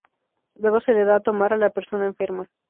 Luego se le da a tomar a la persona enferma.